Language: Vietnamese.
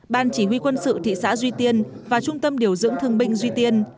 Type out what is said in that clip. ban chỉ huy quân sự thị xã duy tiên và trung tâm điều dưỡng thương binh duy tiên